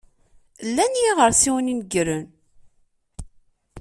Llan yiɣersiwen inegren.